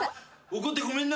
怒ってごめんな。